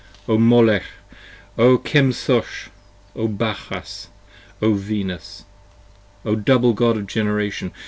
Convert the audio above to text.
O Molech ! O Chemosh! O Bacchus! O Venus! O Double God of Generation!